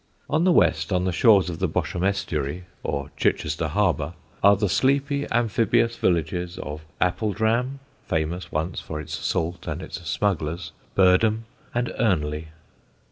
On the west, on the shores of the Bosham estuary, or Chichester Harbour, are the sleepy amphibious villages of Appledram, famous once for its salt and its smugglers, Birdham, and Earnley.